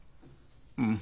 うん。